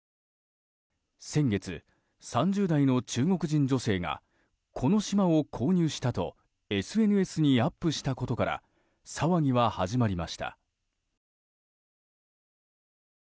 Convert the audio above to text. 先月、３０代の中国人女性がこの島を購入したとＳＮＳにアップしたことから騒ぎは始まりました。